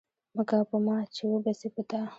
مه کوه په ما، چي وبه سي په تا